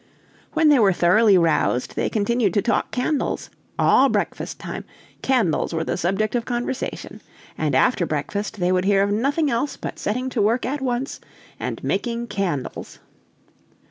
When they were thoroughly roused they continued to talk candles; all breakfast time, candles were the subject of conversation; and after breakfast they would hear of nothing else but setting to work at once and making candles.